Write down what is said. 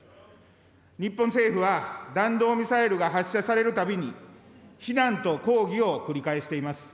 日本政府は、弾道ミサイルが発射されるたびに、非難と抗議を繰り返しています。